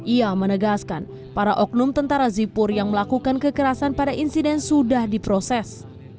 ia menegaskan para oknum tentara zipur yang melakukan kekerasan pada insiden sudah diproses